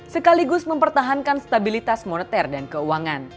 sekaligus mempertahankan stabilitas moneter dan keuangan